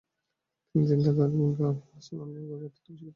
তিনি দিতেন তাদের মনকে অবগাহন-স্নান, তার গভীরতা অত্যাবশ্যকের চেয়ে অনেক বেশি।